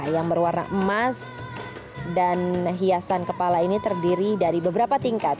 yang berwarna emas dan hiasan kepala ini terdiri dari beberapa tingkat